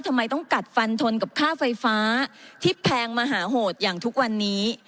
ทำไมต้องกัดฟันทนกับค่าไฟฟ้าที่แพงมหาโหดอย่างทุกวันนี้